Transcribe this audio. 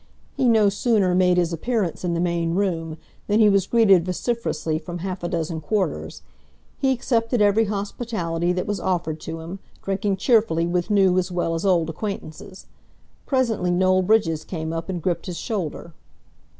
He no sooner made his appearance in the main room than he was greeted vociferously from half a dozen quarters. He accepted every hospitality that was offered to him, drinking cheerfully with new as well as old acquaintances. Presently Noel Bridges came up and gripped his shoulder.